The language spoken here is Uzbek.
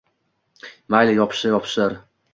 — Mayli, yopishsa yopishar.